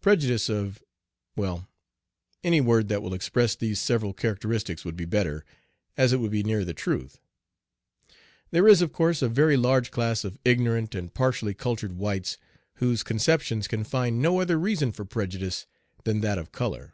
Prejudice of well, any word that will express these several characteristics would be better, as it would be nearer the truth. There is, of course, a very large class of ignorant and partially cultured whites whose conceptions can find no other reason for prejudice than that of color.